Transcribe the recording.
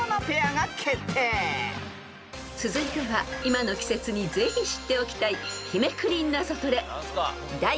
［続いては今の季節にぜひ知っておきたい日めくりナゾトレ］